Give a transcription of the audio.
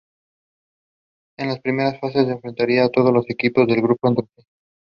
They lost in the First Round to Alabama.